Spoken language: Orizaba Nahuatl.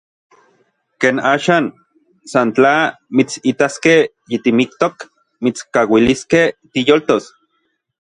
Ken axan, san tla mitsitaskej yitimiktok mitskauiliskej tiyoltos.